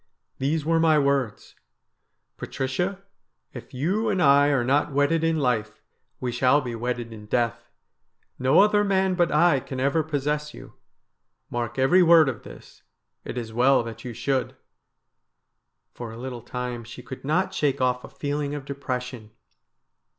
These were my words :—" Patricia, if you and I are not wedded in life, we shall be wedded in death. No other man but I can ever possess you. Mark every word of this. It is well that you should.'" ' For a little time she could not shake off a feeling of de pression.